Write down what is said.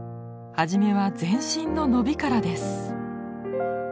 初めは全身の伸びからです。